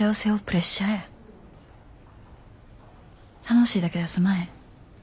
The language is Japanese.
楽しいだけではすまへん。